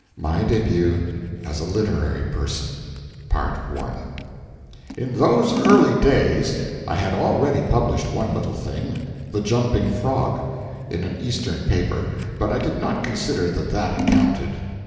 MY DEBUT AS A LITERARY PERSON In those early days I had already published one little thing ['The Jumping Frog') in an Eastern paper, but I did not consider that that counted.